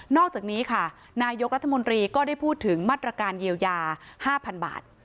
อกจากนี้ค่ะนายกรัฐมนตรีก็ได้พูดถึงมาตรการเยียวยา๕๐๐๐บาท